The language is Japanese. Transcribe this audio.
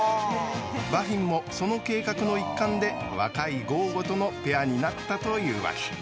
バフィンも、その計画の一環で若いゴーゴとのペアになったというわけ。